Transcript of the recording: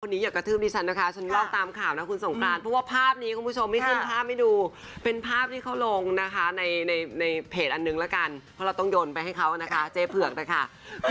ชี้ในนี้อย่ากระทึบดีฉันนะคะโสกตามข่าวนะคุณสงครรภ์